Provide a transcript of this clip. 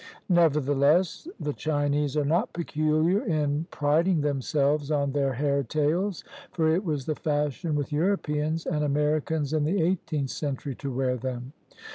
187 CHINA Nevertheless the Chinese are not peculiar in priding themselves on their hair tails, for it was the fashion with Europeans and Americans in the eighteenth cen tury to wear them.